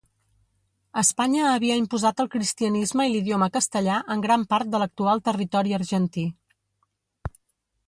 Espanya havia imposat el cristianisme i l'idioma castellà en gran part de l'actual territori argentí.